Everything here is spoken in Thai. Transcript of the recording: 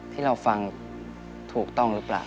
ที่เราฟังถูกต้องหรือเปล่า